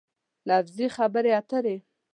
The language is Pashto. لفظي خبرې اترې